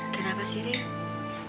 kenapa sih rie